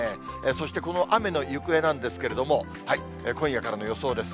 そしてこの雨の行方なんですけれども、今夜からの予想です。